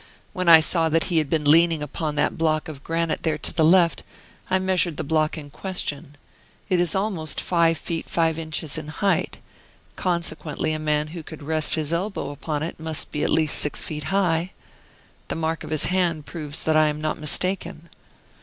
When I saw that he had been leaning upon that block of granite there to the left, I measured the block in question. It is almost five feet five inches in height, consequently a man who could rest his elbow upon it must be at least six feet high. The mark of his hand proves that I am not mistaken.